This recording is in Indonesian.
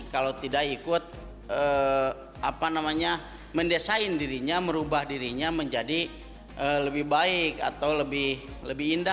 kalau tidak ikut mendesain dirinya merubah dirinya menjadi lebih baik atau lebih indah